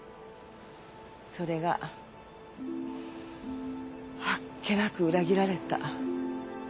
それがあっけなく裏切られた。